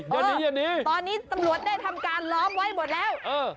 อย่านี้ยังไงครับตอนนี้ตลอดได้ทำการล้อมไว้หมดแล้ว